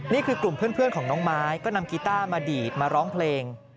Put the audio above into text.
นี่คือกลุ่มเพื่อนของน้องไม้ก็นำกีต้ามาดีดมาร้องเพลง